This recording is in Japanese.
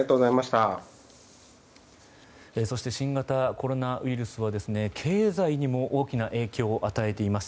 そして、新型コロナウイルスは経済にも大きな影響を与えています。